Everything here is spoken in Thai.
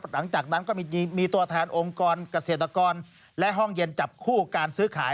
หลังจากนั้นก็มีตัวแทนองค์กรเกษตรกรและห้องเย็นจับคู่การซื้อขาย